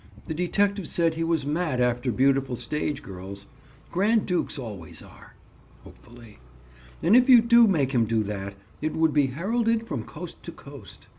"The detective said he was mad after beautiful stage girls. Grand dukes always are." Hopefully. "And if you do make him do that, it would be heralded from coast to coast."